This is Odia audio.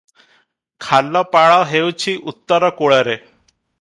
ଖାଲପାଳ ହେଉଛି ଉତ୍ତର କୂଳରେ ।